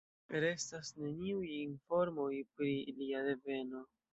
Restas neniuj informoj pri lia deveno.